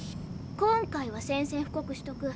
今回は宣戦布告しとく。